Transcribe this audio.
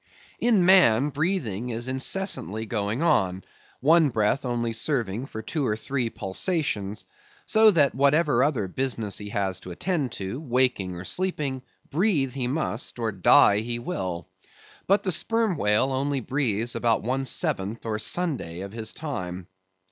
In man, breathing is incessantly going on—one breath only serving for two or three pulsations; so that whatever other business he has to attend to, waking or sleeping, breathe he must, or die he will. But the Sperm Whale only breathes about one seventh or Sunday of his time.